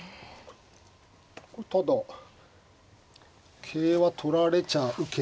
ただ桂は取られちゃうけど。